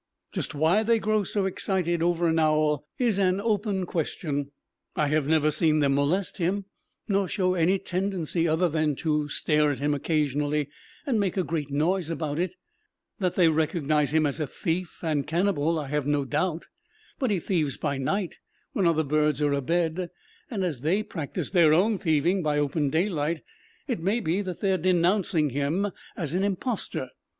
Just why they grow so excited over an owl is an open question. I have never seen them molest him, nor show any tendency other than to stare at him occasionally and make a great noise about it. That they recognize him as a thief and cannibal I have no doubt. But he thieves by night when other birds are abed, and as they practise their own thieving by open daylight, it may be that they are denouncing him as an impostor.